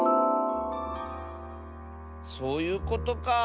そういうことか。